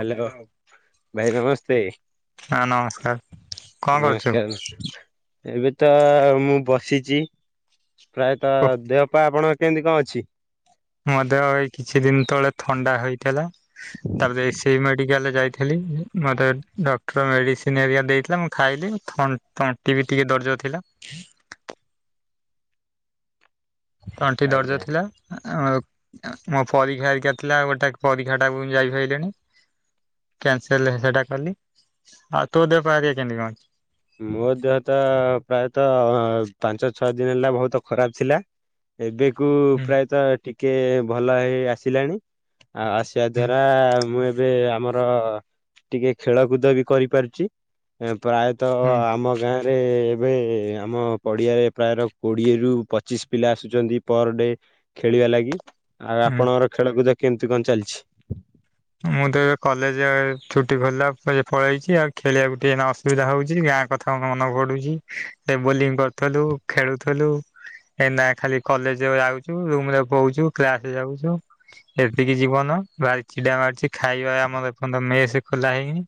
Hello ଭାଇ ନମସ୍ତେ। ହଁ ନମସ୍କାର କଣ କରୁଛୁ ନମସ୍କାର। ଏବେ ତ ମୁଁ ବସିଛି ପ୍ରାୟତଃ କୁହ? ଦେହ ପା ଆପଣ କେମିତି କଣ ଅଛି? ମଧ୍ଯ ଏଇ କିଛି ଦିନ ତଳେ ଥଣ୍ଡା ହେଇଥିଲା ତାପରେ ସେଇ ମେଡିକାଲ ଯାଇଥି ଲି ମୋତେ ଡକ୍ଟର ମେଡ଼ିସିନ ହେରିକା ଦେଇଥିଲା ମୁଁ ଖାଇଲି ଥ ତଣ୍ଟି ବି ଟିକିଏ ଦରଜ ଥିଲା। ତଣ୍ଟି ଦରଜ ଆଜ୍ଞା ଥିଲା। ଆ ମୋ ଆ ମୋ ପରୀକ୍ଷା ହେରିକା ଥିଲା ଆଉ ଗୋଟେ ପରୀକ୍ଷାଟାକୁ ଯାଇପାରିଲିନି। କ୍ୟାନସେଲ ସେଟା କଲି ଆଉ ତୋ ଦେହ ପା ହେରିକା କେମିତି କଣ ଅଛି। ମୋ ଦେହ ତ ପ୍ରାୟତଃ ପାଞ୍ଚ ଛଅ ଦିନ ହେଲା ବହୁତ ଖରାପ ଥିଲା। ଏବେକୁ ହୁଁ ପ୍ରାୟତଃ ଟିକେ ଭଲ ହେଇ ଆସିଲାଣି। ଆଉ ଆସିବା ହୁଁ ଦ୍ଵାରା ମୁଁ ଏ ଏବେ ଆମର ଟିକେ ଖେଳକୁଦ ବି କରିପାରୁଛି ପ୍ରାୟତଃ ତ ହୁଁ ଆମ ଗାଁରେ ଏବେ ଆମ ପଡ଼ିଆରେ ପ୍ରାୟର କୋଡ଼ିଏରୁ ପଚିଶ ପିଲା ଆସୁଛନ୍ତି ପର ଡେ ଖେଳିବା ଲାଗି ଆଉ ହୁଁ। ଆପଣଙ୍କର ଖେଳକୁଦ କେମତି କଣ ଚାଲିଛି? ମୁଁ ତ ଏବେ କଲେଜ ଛୁଟି ଖିଲା ପଳେଇଛି ଆଉ ଖେଳିବାକୁ ଟିକେ ଅ ସୁବିଧା ହଉଛି ଗାଁ କଥା ମନ ପଡୁଛି ବୋଲିଂ କରୁଥିଲୁ ଖେଳୁଥିଲୁ। ଏଇନା ଖାଲି କଲେଜ ଯାଉଛୁ ରୁମରେ ବଉଛୁ କ୍ଲାସ ଯାଉଛୁ। ଏତିକି ଯିବନ ବାରି ଛିଡା ମାରୁଛି ଖାଇବା ଆମର ଏ ପଯ୍ୟନ୍ତ ମେ ସେ ଖୋଲା ହେଇନି।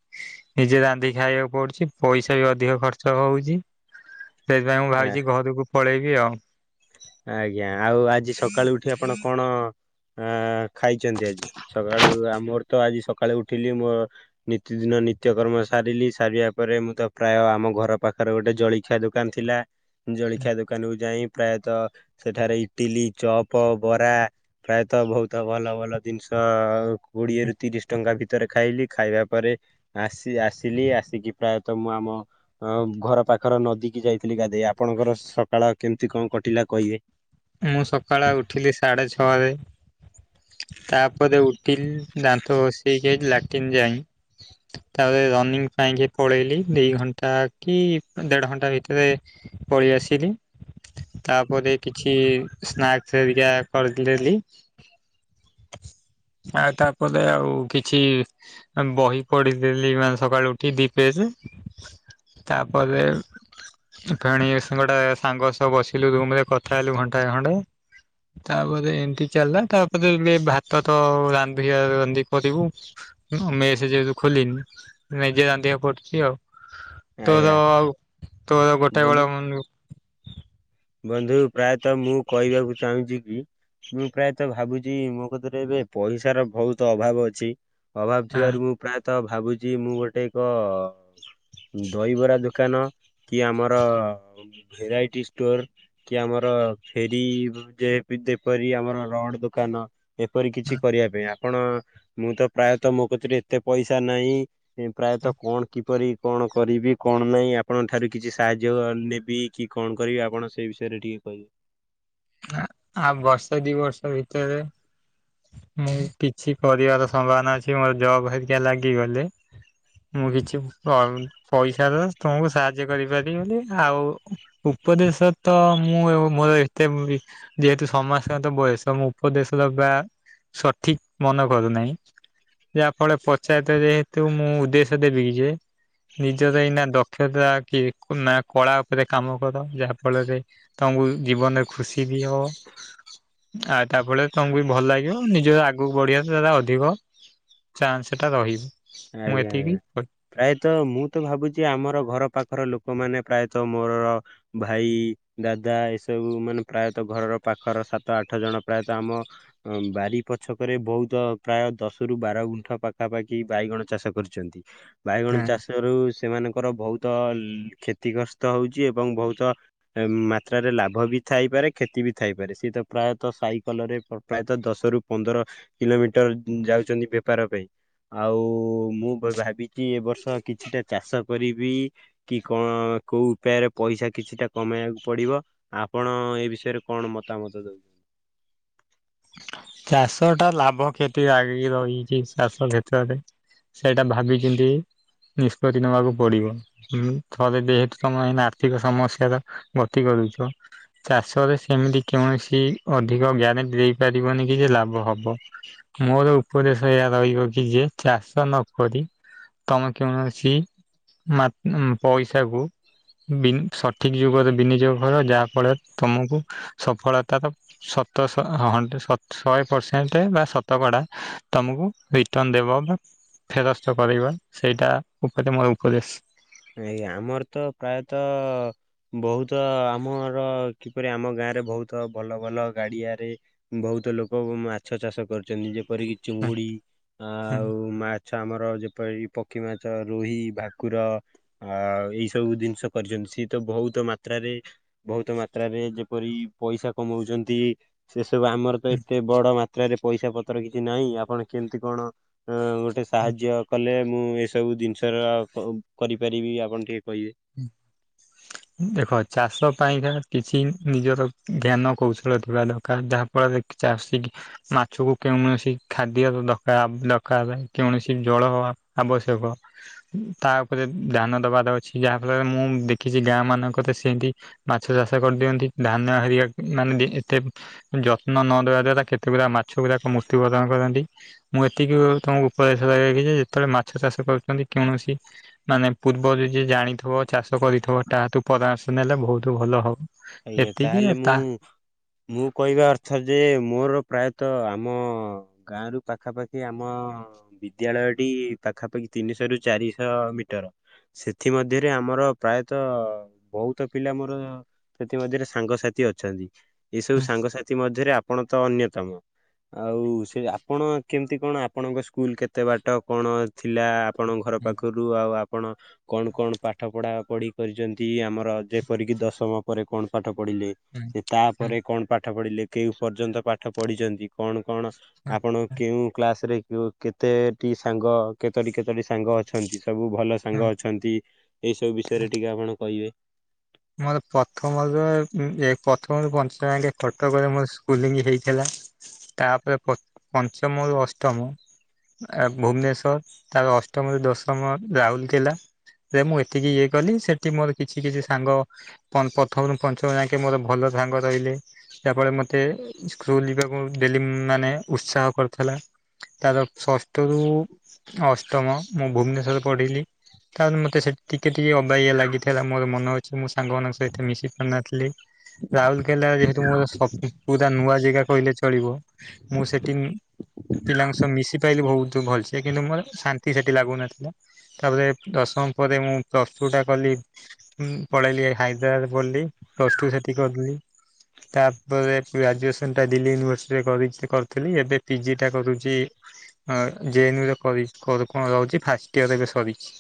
ନିଜେ ରାନ୍ଧିକି ଖାଇବାକୁ ପଡୁଛି ପଇସା ବି ଅଧିକ ଖର୍ଚ୍ଚ ହଉଛି। ସେଇଥିପାଇଁ ମୁଁ ଭାବିଛି ଘରକୁ ପଳେଇବି ଆଉ। ଆଜ୍ଞା ଆଉ ଆଜି ସକାଳୁ ଉଠି ଆପଣ କଣ ହେ ଖାଇଛନ୍ତି ଆଜି ସକାଳୁ ମୋର ତ ଆଜି ସକାଳୁ ଉଠିଲି ମୋର ନିତି ଦିନ ନିତ୍ୟକର୍ମ ସାରିଲି ସାରିବା ପରେ ମୁଁ ତ ପ୍ରାୟ ଆମ ଘର ପାଖରେ ଗୋଟେ ଜଳିକି ଖିଆ ଦୋକାନ ଥିଲା ଜଳଖିଆ ଦୋକାନକୁୁ ଯାଇ ପ୍ରାୟତଃ ସେଠାରେ ଇଟିଲି, ଚପ, ବରା ପ୍ରାୟତଃ ବହୁତ ଭଲ ଭଲ ଜିନିଷ କୋଡିଏରୁ ତିରିଶ ଟଙ୍କା ଭିତରେ ଖାଇଲି। ଖାଇବା ପରେ ଆସି ଆସିଲି ଆସିକି ପ୍ରାୟତଃ ମୁଁ ଆମ ଅ ଘର ପାଖରେ ନଦୀ କିି ଯାଇଥିଲି ଗାଧେଇ ଆପଣଙ୍କର ସକାଳ କେମିତି କଣ କଟିଲା କହିବେ। ମୁଁ ସକାଳେ ଉଠିଲି ସାଢେ ଛଅରେ ତାପରେ ଉଠିଲି ଦାନ୍ତ ଘଷେଇକି ଲାଟିନ୍ ଯାଇ ତାପରେ ରନିଂ ପାଇଁ କି ପଳେଇଲି ଦି ଘଣ୍ଟା କି ଦେଢ ଘଣ୍ଟା ଭିତରେ ପଳେଇଆସିଲି। ତାପରେ କିଛି ସ୍ନାକ୍ସ ହେରିକା କରିଦଲି। ଆଉ ତାପରେ ଆଉ କିଛି ବହି ପଢିଦେଲି ମାନେ ସକାଳୁ ଉଠି କି ଦି ପେଜ୍ - ତାପରେ ଫେଣି ଗୋଟେ ସାଙ୍ଗ ସହ ବସିଲୁ ରୁମରେ କଥା ହେଲୁ ଘଣ୍ଟାଏ ଖଣ୍ଡେ ତାପରେ ଏମିତି ଚାଲିଲା ତାପରେ ଭାତ ତ ରାନ୍ଧ ରାନ୍ଧି କରିବୁ। ମେସେ ଯେହେତୁ ଖୋଲିନି ନିଜେ ରାନ୍ଧିବାକୁ ପଡୁଛି ଆଉ। ଆଜ୍ଞା ତୋଦ ତୋଦ ଗୋଟେ ବନ୍ଧୁ ମୁ [inaudible] ବନ୍ଧୁ ପ୍ରାୟତଃ ମୁଁ କହିବାକୁ ଚାହୁଁଛି କି ମୁଁ ପ୍ରାୟତଃ ଭାବୁଛି ମୋ କତିରେ ଏବେ ପଇସାର ବହୁତ ଅଭାବ ଅଛି। ଅଭାବ ଥିବାରୁ ହଁ ମୁଁ ପ୍ରାୟତଃ ଭାବୁଛି ମୁଁ ଗୋଟେ ଏକ ଦହିବରା ଦୋକାନ କି ଆମର ଭେରାଇଟି ଷ୍ଟୋର କି ଆମର ଫେରି ଯେ ଯେପରି ଆମର ରଡ ଦୋକାନ। ଏପରି କିଛି କରିବା ପାଇଁ ଆପଣ ମୁଁ ତ ପ୍ରାୟତଃ ମୋ କତିରେ ଏତେ ପଇସା ନାହିଁ। ସେ ପ୍ରାୟତଃ କଣ? କିପରି କଣ କରିବି କଣ ନାହିଁ ଆପଣଙ୍କ ଠାରୁ କିଛି ସାହାଯ୍ୟ ନେବି କି କଣ କରିବି ଆପଣ ସେଇ ବିଷୟରେ ଟିକେ କହିଵେ। ଆଁ ଆଉ ବର୍ଷ ଦି ବର୍ଷ ଭିତରେ ମୁଁ କିଛି କରିବାର ସମ୍ଭାବନା ଅଛି। ମୋର ଜବ ହେରିକା ଲାଗିଗଲେ। ମୁଁ କିଛି ପ ପଇସା ତୁମକୁ ସାହାଯ୍ୟ କରିପାରିବିନି ଆଉ ଉପଦେଶ ତ ମୁଁ ଏବ ମୋର ଯେହେତୁ ସମାଜଙ୍କତ ବୟସ ଉପଦେଶ [unintelligible] ଦେବା ସଠିକ ମନ କରୁନାହିଁ। ଯାହା ଫଳରେ ପଚାୟତ ଯେହେତୁ ମୁଁ ଉଦ୍ଦେଶ୍ୟ ଦେବି କି ଯେ ନିଜର ଏଇନା ଦକ୍ଷତା କି ନା କଳା ଉପରେ କାମ କର ଯାହା ଫଳରେ ତମକୁ ଜୀବନରେ ଖୁସି ବି ହବ। ଆଉ ତା ଫଳରେ ତମକୁ ବି ଭଲ ଲାଗିବ। ନିଜ ଆଗକୁ ବଢିବା ଦ୍ୱାରା ଅଧିକ ଚାନ୍ସ ଟା ରହିବ। ମୁଁ ଆଜ୍ଞା, ଏତିକି ଆଜ୍ଞା। ହଁ ପ୍ରାୟତ ମୁଁ ତ ଭାବୁଛି ଆମର ଘର ପାଖର ଲୋକମାନେ ପ୍ରାୟତ ମୋର ଭାଇ, ଦାଦା ଏସବୁ ମାନେ ପ୍ରାୟତ ଘରର ପାଖର ସାତ ଆଠ ଜଣ ପ୍ରାୟତ ଆମ ଅଁ, ବାରି ପଛକରେ ବହୁତ ପ୍ରାୟ ଦଶ ରୁ ବାର ଗୁଣ୍ଠ ପାଖାପାଖି ବାଇଗଣ ଚାଷ କରିଛନ୍ତି। ବାଇଗଣ ଚାଷରୁ ସେମାନଙ୍କର ବହୁତ ତ କ୍ଷତିଗ୍ରସ୍ତ ହଉଛି ଏବଂ ବହୁତ ଏ ମାତ୍ରାରେ ଲାଭ ବି ଥାଇପାରେ କ୍ଷତି ବି ଥାଇପାରେ, ସିଏ ତ ପ୍ରାୟତଃ ସାଇକଲରେ ପ୍ରାୟତ ଦଶରୁ ପନ୍ଦର କିଲୋମିଟର ଯାଉଛନ୍ତି ବେପାର ପାଇଁ। ଆଉ ମୁଁ ଭାବିଚି ଏ ବର୍ଷ କିଛିଟା ଚାଷ କରିବି। କି କଣ କୋଉ ଉପାୟରେ ପଇସା କିଛି ଟା କମେଇବାକୁ ପଡିବ। ଆପଣ ଏ ବିଷୟରେ କଣ ମତାମତ ଦଉ ଚାଷ ଟା ଲାଭ କ୍ଷତି ଲାଗିକି ରହିଛି ଚାଷ କ୍ଷେତ୍ରରେ। ସେଇଟା ଭାବିିଚିନ୍ତି ନିଷ୍ପତ୍ତି ନବାକୁ ପଡିବ। ହୁଁ, ଥରେ ଦେଖ ତୋମେ ଏଇନା ଆର୍ଥିକ ସମସ୍ୟାର ଗତି କରୁଛ। ଚାଷରେ ସେମିତି କୌଣସି ଅଧିକ ଗ୍ୟାରେଣ୍ଟି ଦେଇପାରିବନି କି ଯେ ଲାଭ ହବ। ମୋର ଉପଦେଶ ଏଇଆ ରହିବ କି ଯେ ଚାଷ ନକରି ତୋମେ କୌଣସି ମା-ଉଁ, ପଇସା କୁ ବିନ୍ ସଠିକ୍ ଯୁଗରେ ବିନିଯୋଗ କର, ଯାହା ଫଳରେ ତୋମକୁ ସଫଳତା ର ସତଶ ହ-ହ- ହଣ୍ଡ୍ରେ ସ ଶହେ ପରସେଣ୍ଟ ବା ଶତକଡ଼ା ତୋମକୁ ରିଟର୍ଣ୍ଣ ଦେବ ବା ଫେରସ୍ତ କରିବା। ସେଇଟା ଉପରେ ମୋର ଉପଦେଶ। ଏଇ ଆମର ତ ପ୍ରାୟତ ଅ, ବହୁତ ଆମର କିପରି ଆମ ଗାଁ ରେ ବହୁତ ଭଲ ଭଲ ଗାଡିଆରେ ବହୁତ ଲୋକ ମାଛ ଚାଷ କରୁଚନ୍ତି, ଯେପରିକି ଚିଙ୍ଗୁଡି ଆଉ ମା ଛ ଆମର ଯେପରି ପକ୍ଷୀ ମାଛ, ରୋହି, ଭାକୁର ଆଉ ଏଇ ସବୁ ଦିନିଷ କରିଚନ୍ତି। ସିଏ ତ ବହୁତ ମାତ୍ରାରେ ବହୁତ ମାତ୍ରାରେ ଯେପରି ପଇସା କମଉଛନ୍ତି। ସେସବୁ ଆମର ତ ଏତେ ବଡ ମାତ୍ରାରେ ପଇସା ପତ୍ର କିଛି ନାହିଁ। ଆପଣ କେମିତି କଣ ଅ, [unintelligible] ସାହାଯ୍ୟ କଲେ ମୁଁ ଏସବୁ ଦିନିଷର କ-କରିପାରିବି ଆପଣ ଟିକେ କହିବେ। ହୁଁ। ଦେଖ ଚାଷ ପାଇଁକା କିଛି ନିଜର ଜ୍ଞାନ କୌଶଳ ଥିବା ଦରକାର, ଯାହା ଫଳରେ କି ଚାଷି କି ମାଛକୁ କେଉଣସି ଖାଦ୍ୟ ଦକା ଦରକାର କେଉଣସି ଜଳ ଆବଶ୍ୟକ। ତା ଉପରେ ଧ୍ୟାନ ଦବା ର ଅଛି, ଯାହା ଫଳରେ ମୁଁ ଦେଖିଚି ଗାଁ ମାନଙ୍କରେ ସେମତି ମାଛ ଚାଷ କରିଦିଅନ୍ତି, ଧାନ ହେରିକା ଉଁ, ମାନେ ଡେ ଏତେ ଯତ୍ନ ନ ଦେବା ଦ୍ଵାରା କେତେଗୁରା ମାଛଗୁରାକ ମୃତ୍ୟୁବରଣ କରନ୍ତି। ମୁଁ ଏତିକି ତୋମକୁ ଉପଦେଶ ଦେବିକି ଯେ ଯେତେବେଳେ ମାଛ ଚାଷ କରୁଚନ୍ତି କେଉଣସି ମାନେ ପୂର୍ବରୁ ଯିଏ ଜାଣିଥିବ ଚାଷ କରିଥିବ ତା ଠୁ ପରାମର୍ଶ ନେଲେ ବହୁତ ଭଲ ହବ। ଆଜ୍ଞା ଏତିକି ଆଉ ତାହେଲେ ତା ମୁଁ ମୁଁ କଇବା ଅର୍ଥ ଯେ ମୋର ପ୍ରାୟତ ଆମ ଗାଁରୁ ପାଖାପାଖି ଆମ ହଁ ବିଦ୍ୟାଳୟଟି ପାଖାପାଖି ତିନିଶ ରୁ ଚାରିଶ ମିଟର। ସେଥିମଧ୍ୟରେ ଆମର ପ୍ରାୟତ ବୋହୁତ ପିଲା ମୋର ସେଥି ମଧ୍ୟରେ ସାଙ୍ଗସାଥି ଅଛନ୍ତି, ଏଇସବୁ ସାଙ୍ଗସାଥି ମଧ୍ୟରେ ଆପଣ ତ ଅନ୍ୟତମ। ଆଉ ସେ ଆପଣ କେମିତି କଣ ଆପଣଙ୍କ ସ୍କୁଲ୍ କେତେ ବାଟ କଣ ଥିଲା ଆପଣଙ୍କ ଘର ପାଖରୁ? ରୁଅ ଆଉ ଆପଣ କଣ କଣ ପାଠ ପଢାପଢି କରିଚନ୍ତି ଆମର ଯେପରିକି ଦଶମ ପରେ କଣ ପାଠ ପଢିଲେ ଏ ତାପରେ କଣ ପାଠ ପଢିଲେ କେଉଁ ପର୍ଯ୍ୟନ୍ତ ପାଠ ପଢିଚନ୍ତି କଣ କଣ ଆପଣ କେଉଁ କ୍ଲାସରେ କେଉ କେତେଟି ସାଙ୍ଗ କେତୋଟି କେତୋଟି ସାଙ୍ଗ ଅଛନ୍ତି ସବୁ ଭଲ ସାଙ୍ଗ ଅଛନ୍ତି ଏଇ ସବୁ ବିଷୟରେ ଟିକେ ଆପଣ କହିବେ? ମୋର ପ୍ରଥମରେ ଉଁ ଏ ପ୍ରଥମରୁ ପଞ୍ଚମ ଯାଙ୍କେ କଟକରେ ମୋର ସ୍କୁଲିଙ୍ଗି ହେଇଥିଲା। ତାପରେ ପ୍ର ପଞ୍ଚମରୁ ଅଷ୍ଟମ ଆ ଭୁବନେଶ୍ୱର ତାପରେ ଅଷ୍ଟମରୁ ଦଶମ ରାଉଲୁକେଲା ରେ ମୁଁ ଏତିକି ଇଏ କଲି ସେଠି ମୋର କିଛି କିଛି ସାଙ୍ଗ ତନ୍ ପ୍ରଥମରୁ ପଞ୍ଚମ ଯାଙ୍କେ ମୋର ଭଲ ସାଙ୍ଗ ରହିଲେ। ଯାହା ଫଳରେ ମତେ ସ୍କୁଲ୍ ଯିବାକୁ ଡେଲି ଉଁ ମାନେ ଉତ୍ସାହ କରୁଥେଲା। ତାର ଷଷ୍ଠ ରୁ ଅଷ୍ଟମ ମୁଁ ଭୁବନେଶ୍ଵରରେ ପଢିଲି। ତାପରେ ମତେ ସେଠି ଟିକେ ଟିକେ ଅବାଗିଆ ଲାଗିଥେଲା ମୋର ମନ ଅଛି ମୁଁ ସ୍ ସାଙ୍ଗମାନଙ୍କ ସହିତ ମିଶି ପାରୁନଥିଲି। ରାଉଲୁକେଲା ଯେହେତୁ ମୋର ସବ୍ ଉଁ ପୁରା ନୂଆ ଜେଗା କଇଲେ ଚଳିବ ମୁଁ ସେଟିଙ୍ଗି ପିଲାଙ୍କ ସ ମିଶି ପାଇଲି ଭଉତୁ ଭଲ୍ ସେ କିନ୍ତୁ ମୋର ଶାନ୍ତି ସେଟି ଲାଗୁନଥିଲା। ତାପରେ ଦଶମ ପରେ ମୁଁ ପ୍ଲସ୍ ଟୁ ଟା କଲି ଉଁ ପଳେଇଲି ହାଇଦ୍ରାବାଦ୍ ପଲି ପ୍ଲସ ଟୁ ସେଠି କରିଲି। ତାପରେ ଗ୍ରାଜୁଏସନଟା ଦିଲ୍ଲୀ ୟୁନିଭର୍ସିଟିରେ କରିଥ୍ କରିଥିଲି ଏବେ ପିଜିଟା କରୁଚି। ଆ ଜେ ନ୍ୟୁ ରେ କରିଚ୍ ସ୍କୋର କଁ ରଉଚି ଫାଷ୍ଟ ଇୟର ଏବେ ସରିଚି।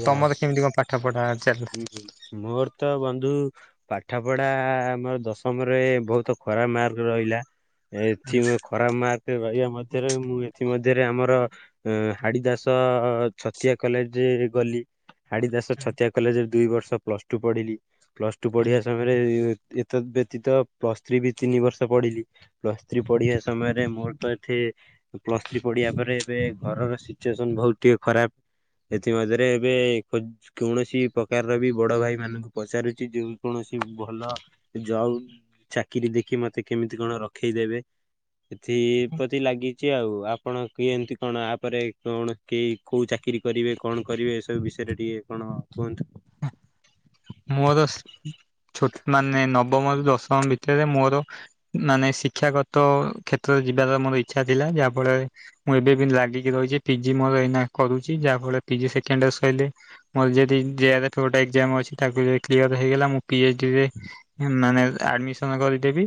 ଆଉ ତମର କେମିତି କଁ ପାଠପଢା ଚାଲିଲା? ଉଁ ମୋର ତ ବନ୍ଧୁ ପାଠପଢା ମୋର ଦଶମରେ ବହୁତ ଖରାପ୍ ମାର୍କ ରଇଲା। ଏଥି ମ ଖରାପ୍ ମାର୍କ ରଇବା ମଧ୍ୟରେ ମୁଁ ଏଥି ମଧ୍ୟରେ ଆମର ଅଁ ହାଡିଦାସ ଛତିଆ କଲେଜେ ଗଲି ହାଡିଦାସ ଛ ଛତିଆ କଲେଜେରେ ଦୁଇ ବର୍ଷ ପ୍ଲସ ଟୁ ପଢିଲି ପ୍ଲସ ଟୁ ପଢିବା ସମୟରେ ଇଏ ତ୍ ଇଏ ଏତଦ୍ ବ୍ୟତୀତ ପ୍ଲସ୍ ଥ୍ରୀ ବି ତିନି ବର୍ଷ ପଢିଲି। ପ୍ଲସ୍ ଥ୍ରୀ ପଢିବା ସମୟରେ ମୋର ତ ଏଠି ପ୍ଲସ ଥ୍ରୀ ପଢିଆ ପରେ ଏବେ ଘରର ସିଚୁଏସନ୍ ବହୁତୁ ଟିକେ ଖରାପ୍। ଏଥିମଧ୍ୟରେ ଏବେ କୁଜ୍ କୌଣସି ପ୍ରକାରର ବି ବଡଭାଇମାନୁଙ୍କୁ ପଚାରୁଚି ଯେ କୌଣସି ଭଲ ଜବ୍ ଚାକିରି ଦେଖି ମତେ କେମିତି କଣ ରଖେଇଦେବେ ଏଥିପ୍ରତି ଲାଗିଚି ଆଉ ଆ ପଣ କିଏନ୍ତିି କଣ ଆପରେ କଣ କେଇ କୋଉ ଚାକିରି କରିବେ କଣ କରିବେ ଏସବୁ ବିଷୟରେ ଟିକେ କଣ କୁହନ୍ତୁ? ମୋର ସ୍ ଛୋଟ୍ ମାନେ ନବମରୁ ଦଶମ ଭିତେରେ ମୋର ଉଁ ମାନେ ଶିକ୍ଷାଗତ କ୍ଷେତ୍ରରେ ଯିବାର ମୋର ଇଚ୍ଛା ଥିଲା ଯାଫଳରେ ମୁଁ ଏବେ ବି ଲାଗିକି ରହିଚି ପିଜି ମୋର ଏଇନା କରୁଚି ଯାଫଳରେ ପିଜି ସେକେଣ୍ଡ ସଇଲେ ମୋର ଯଦି ଜିଆର [unintelligible] ଏକ୍ଜାମ ଅଛି। ତାକୁ ଯାଇକି କ୍ଲିୟର ହେଇଗଲା ମୁଁ ମୁକ୍ତି ହେଇଯିବି ନ ନେହେଲେ ଆଡ଼ମିସନ ସନ କରିଦେବି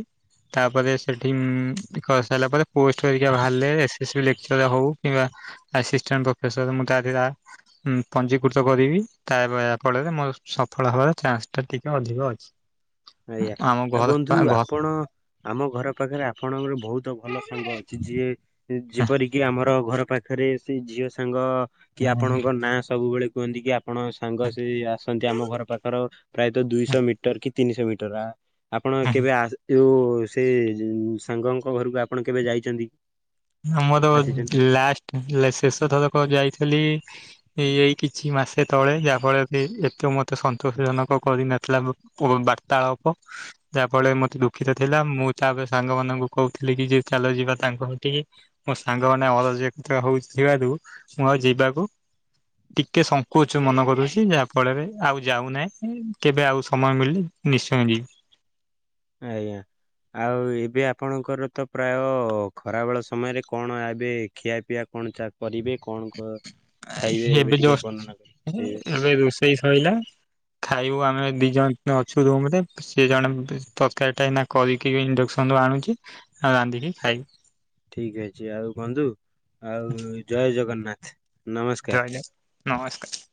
ତାପରେ ସେଠି ଉମ କରିସାରିଲା ପରେ ପୋଷ୍ଟ ହେରିକା ବାହାରିଲେ ସେ ଲେଚକର ହଉ କିମ୍ବା ଆସିଷ୍ଟାଣ୍ଟ ପଫେସର ମୁଁ ତା ଦେହରେ ଆ ଉଁ ପଞ୍ଜୀକୃତ କରିବି ତା ଫଳରେ ମୋ ଫଳ ହେବାର ଚାନ୍ସ ଟା ଟିକେ ଅଧିକ ଅଛି। ଆୟା ଆମ ଆଉ ଘର ବନ୍ଧୁ ଆପଣ ଆମ ଘର ପାଖରେ ଆପଣଙ୍କର ବହୁତ ଭଲ ସାଙ୍ଗ ଅଛି ଯିଏ ଯେପରିକି ଆମର ଘର ପାଖ ରେ ସେ ଝିଅ ସାଙ୍ଗ କି ଆପଣଙ୍କ ନାଁ ସବୁବେଳେ କୁହନ୍ତି କ୍ୟା ଆପଣ ସାଙ୍ଗ ସେ ଆସନ୍ତି ଆମ ଘର ପାଖର ପ୍ରାୟତ ଦୁଇ ଶହ ମିଟର କି ତିନି ଶହ ମିଟର ଆପଣ ଘର କେବେ ଆ ଯଉ ସେ ସାଙ୍ଗଙ୍କ ଘରକୁ ଆପଣ କେବେ ଯାଇଛନ୍ତି? ସମସଦ ଆସିଛନ୍ତି ଲାଷ୍ଟ - ହେଲେ ଶେଷ ଥରକ ଯାଇଥିଲି ଏ ଏଇ କିଛି ମାସ ସେତେବେଳେ ଯାହାଫଳରେ ବି ଏତେ ମୋତେ ସନ୍ତୋଷଜନକ କରିନଥିଲା ବାର୍ତ୍ତାଳାପ ଯାହା ଫଳରେ ମତେ ଦୁଃଖିତ ଥିଲା ମୁଁ ତାପରେ ସାଙ୍ଗ ମାନଙ୍କୁ କହୁଥିଲି କି ଯେ ଚାଲ ଯିବା ତାଙ୍କ କତିକି ମୋ ସାଙ୍ଗମାନେ ଅରଜକିତ ହେଉଥିବାରୁ ମୁଁ ଆଉ ଯିବାକୁ ଟିକେ ସଙ୍କୋଚ ମନେ କରୁଛି ଯାହା ଫଳରେ ଆଉ ଯାଉନାହିଁ କେବେ ଆଉ ସମୟ ମିଳିଲେ ନିଶ୍ଚୟ ଯିବି। ଆଜ୍ଞା। ଆଉ ଏବେ ଆପଣଙ୍କର ତ ପ୍ରାୟ ଖରାବେଳ ସମୟ ରେ କଣ ଏବେ ଖିଆ ପିଆ କଣ ଚା ପରିବେ କଣ କୁହ। ଏବେ ଯଷ୍ଟ ଏବେ ରୋଷେଇ ସଇଲା। ଖାଇବୁ ଆମେ ଦି ଜଣ ଅଛୁ ରୁମରେ। ସିଏ ଜଣେ ତରକାରୀଟା ଏଇନା କରିକି ଇଣ୍ଡେକ୍ସନ ରୁ ଆଣୁଚି ରାନ୍ଧିକି ଖାଇବୁ। ଠିକ ଅଛି ଆଉ ବନ୍ଧୁ ଆଉ ଜୟ ଜଗନ୍ନାଥ। ନମସ୍କାର। ରହିଲି ନମସ୍କାର।